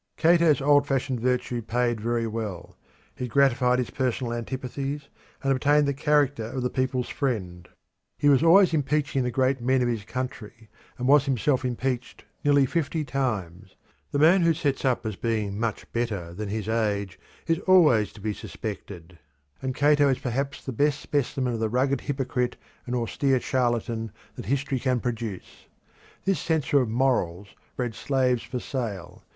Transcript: Cato's old fashioned virtue paid very well. He gratified his personal antipathies and obtained the character of the people's friend. He was always impeaching the great men of his country, and was himself impeached nearly fifty times. The man who sets up as being much better than his age is always to be suspected, and Cato is perhaps the best specimen of the rugged hypocrite and austere charlatan that history can produce. This censor of morals bred slaves for sale.